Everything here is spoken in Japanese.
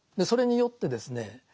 それによってですね